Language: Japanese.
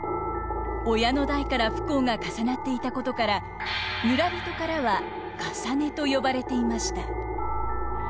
親の代から不幸が重なっていたことから村人からは「かさね」と呼ばれていました。